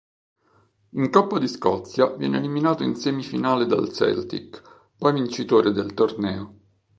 In Coppa di Scozia viene eliminato in semifinale dal Celtic, poi vincitore del torneo.